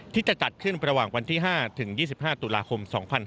ที่จะจัดขึ้นระหว่างวันที่๕ถึง๒๕ตุลาคม๒๕๖๒